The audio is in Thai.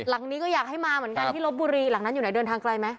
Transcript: หลังนี้ก็อยากให้มาเหมือนกันที่ลบบุรีหลังนั้นอยู่ไหนเดินทางไกลไหม